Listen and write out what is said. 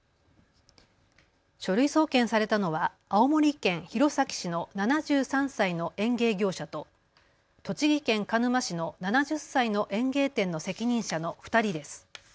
書類送検されたのは青森県弘前市の７３歳の園芸業者と栃木県鹿沼市の７０歳の園芸店の責任者の２人です。